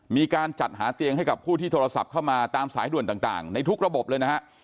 มีการจัดหาเตียงให้กับผู้ที่โทรศัพท์เข้ามาตามสายด่วนต่างในทุกระบบเลยนะฮะ